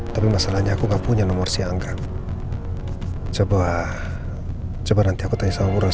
tapi masalahnya aku gak punya nomor si angga coba coba nanti aku tanya sama mura sama dia